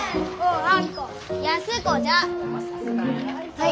はい。